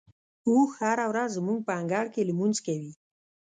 اوښ هره ورځ زموږ په انګړ کې لمونځ کوي.